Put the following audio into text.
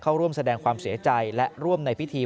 ร่วมแสดงความเสียใจและร่วมในพิธี